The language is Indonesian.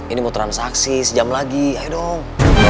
ini mau transaksi sejam lagi ayo dong